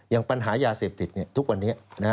อย่างปัญหายาเสพติดทุกวันนี้